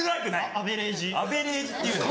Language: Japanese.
アベレージって言うなよ